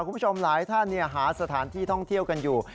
คุณผู้ชมหลายท่านหาสถานที่ท่องเที่ยวกันอยู่